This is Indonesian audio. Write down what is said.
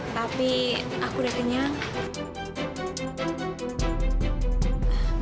tapi aku udah kenyang